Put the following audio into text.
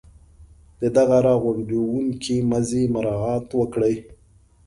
د دغه را غونډوونکي مزي مراعات وکړي.